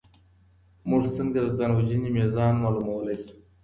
موږ څنګه د ځان وژنې ميزان معلومولی سو؟